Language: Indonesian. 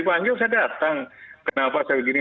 dipanggil saya datang kenapa saya begini